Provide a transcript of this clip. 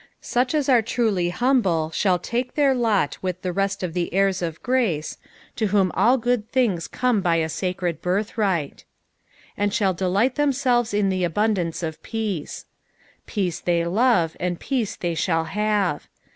Such as are truly humble shall take their lot with tho rest of the heira of gnce, to whom all good things come by a sacred birthright. '' And thali delight ttaiuiehet in the abundance of peace." Peace they love and peace they shall have.